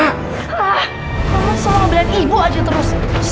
kamu selalu bilang ibu aja terus